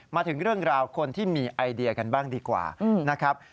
มาถึงเรื่องราวคนที่มีไอเดียกันบ้างดีกว่านะครับ